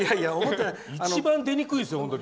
一番出にくいですよ、本当に。